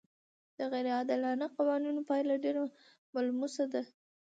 د غیر عادلانه قوانینو پایله ډېره ملموسه ده.